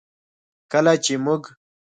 کله چې موږ